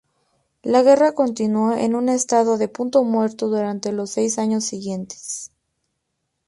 La guerra continuó en un estado de punto muerto durante los seis años siguientes.